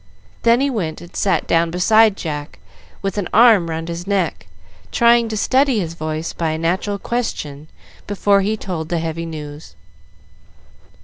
Then he went and sat down beside Jack with an arm round his neck, trying to steady his voice by a natural question before he told the heavy news.